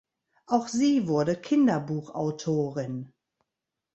Auch sie wurde Kinderbuchautorin.